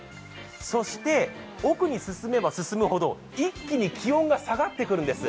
そして奥に進めば進むほど一気に気温が下がってくるんです。